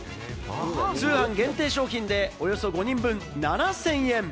通販限定商品で、およそ５人分７０００円。